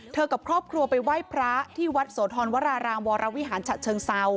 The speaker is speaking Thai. กับครอบครัวไปไหว้พระที่วัดโสธรวรารามวรวิหารฉะเชิงเซา